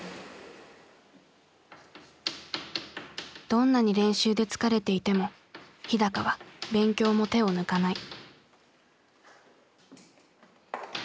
どんなに練習で疲れていても日は勉強も手を抜かない。